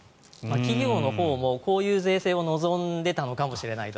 企業のほうもこういう税制を望んでいたのかもしれないと。